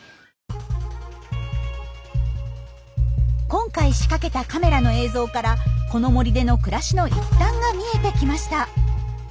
今回仕掛けたカメラの映像からこの森での暮らしの一端が見えてきました。